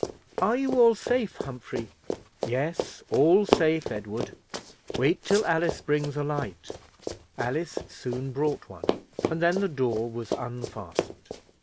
"Are you all safe, Humphrey?" "Yes, all safe, Edward. Wait till Alice brings a light," Alice soon brought one, and then the door was unfastened.